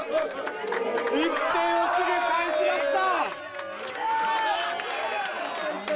１点をすぐ返しました！